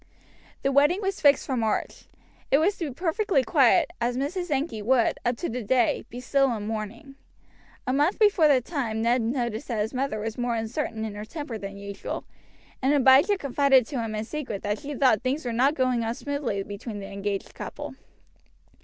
The wedding was fixed for March. It was to be perfectly quiet, as Mrs. Sankey would, up to the day, be still in mourning. A month before the time Ned noticed that his mother was more uncertain in her temper than usual, and Abijah confided to him in secret that she thought things were not going on smoothly between the engaged couple.